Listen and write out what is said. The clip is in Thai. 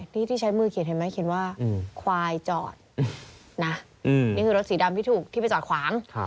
นี่ที่ใช้มือเขียนเห็นไหมเขียนว่าควายจอดนะนี่คือรถสีดำที่ถูกที่ไปจอดขวาง